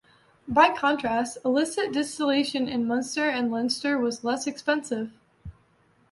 By contrast, illicit distillation in Munster and Leinster was less extensive.